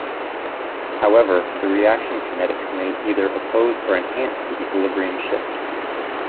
However, the reaction kinetics may either oppose or enhance the equilibrium shift.